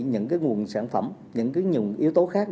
những cái nguồn sản phẩm những cái nguồn yếu tố khác